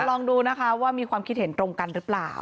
ลองดูนะคะว่ามีความคิดเห็นตรงกันหรือเปล่า